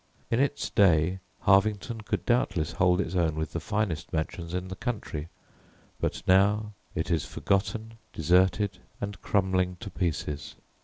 In its day Harvington could doubtless hold its own with the finest mansions in the country, but now it is forgotten, deserted, and crumbling to pieces.